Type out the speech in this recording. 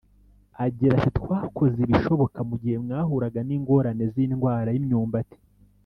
Agira ati “ Twakoze ibishoboka mu gihe mwahuraga n’ingorane z’indwara y’imyumbati